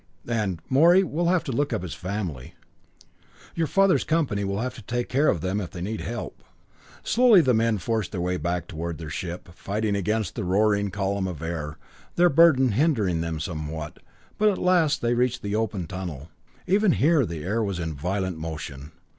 And, Morey, we'll have to look up his family. Your father's company will have to take care of them if they need help." Slowly the men forced their way back toward their ship, fighting against the roaring column of air, their burden hindering them somewhat; but at last they reached the open tunnel. Even here the air was in violent motion.